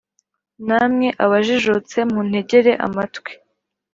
namwe abajijutse muntegere amatwi,